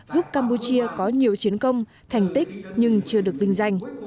giúp campuchia có nhiều chiến công thành tích nhưng chưa được vinh danh